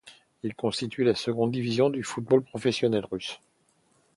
Il constitue la seconde division du football professionnel russe.